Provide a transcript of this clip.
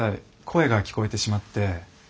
声が聞こえてしまって。